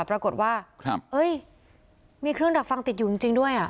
ปรากฏว่ามีเครื่องดักฟังติดอยู่จริงด้วย